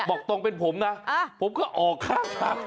บอกตรงเป็นผมนะผมก็ออกข้างทาง